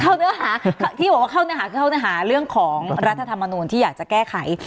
เนื้อหาที่บอกว่าเข้าเนื้อหาคือเข้าเนื้อหาเรื่องของรัฐธรรมนูลที่อยากจะแก้ไข